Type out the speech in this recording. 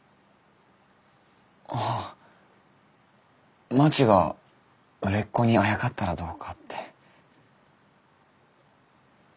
ああまちが売れっ子にあやかったらどうかって。